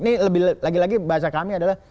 ini lebih lagi lagi bahasa kami adalah